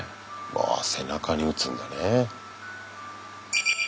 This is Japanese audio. ああ背中に打つんだね。